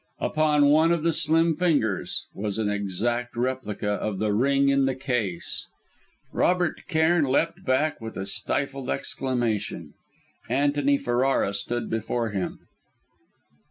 Upon one of the slim fingers was an exact replica of the ring in the case! Robert Cairn leapt back with a stifled exclamation. Antony Ferrara stood before him!